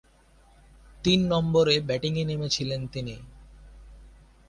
তিন নম্বরে ব্যাটিংয়ে নেমেছিলেন তিনি।